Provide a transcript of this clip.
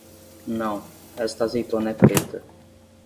Não, esta azeitona é preta.